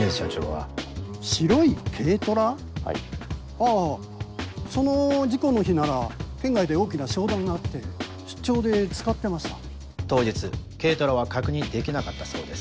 あぁその事故の日なら県外で大きな商談があって出張で使ってました当日軽トラは確認できなかったそうです。